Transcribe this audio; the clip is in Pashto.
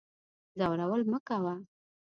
ځورول مکوه